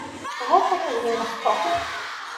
Ha-t-an ad immet Tom.